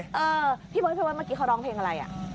เออพี่พ้นพ้นเมื่อกี้เขาร้องเพลงอะไรอะ